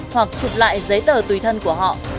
hoặc chụp lại giấy tờ tùy thân của họ